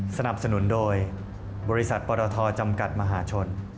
สนับสนุนโดยบริษัทปรทจำกัดมหาชน